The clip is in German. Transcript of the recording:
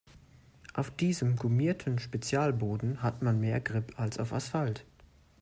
Auf diesem gummierten Spezialboden hat man mehr Grip als auf Asphalt.